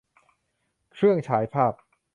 เครื่องฉายภาพ